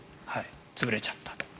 潰れちゃった。